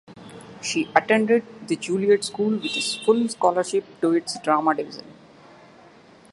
She attended the Juilliard School with a full scholarship to its drama division.